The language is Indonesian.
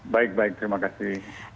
baik baik terima kasih